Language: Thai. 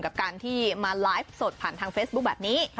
กับการที่มาไลฟ์สดผ่านทางเฟซบุ๊คแบบนี้